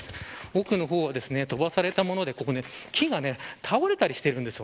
奥の方は飛ばされたもので木が倒れたりしているんです。